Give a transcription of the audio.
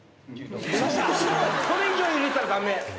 これ以上入れたらダメ。